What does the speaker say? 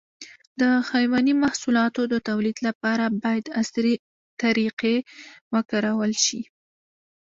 د حيواني محصولاتو د تولید لپاره باید عصري طریقې وکارول شي.